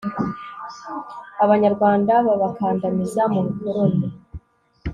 abanyarwanda babakandamiza mu bukoloni